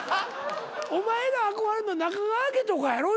お前が憧れんの中川家とかやろ？